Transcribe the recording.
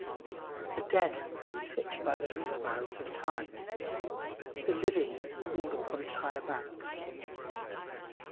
The dead sit by the river mouths of Time: the living mourn upon its higher banks.